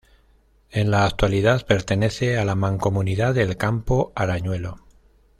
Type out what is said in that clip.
En la actualidad pertenece a la mancomunidad del Campo Arañuelo.